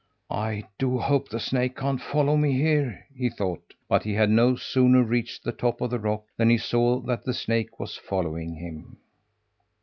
"I do hope the snake can't follow me here!" he thought, but he had no sooner reached the top of the rock than he saw that the snake was following him.